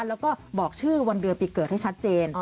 แล้วก็บอกชื่อวันเดือนปีเกิดให้ชัดเจน